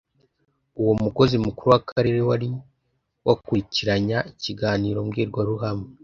uwo mukozi mukuru w'akarere wari wakurikiranya ikiganiro mbwirwaruhame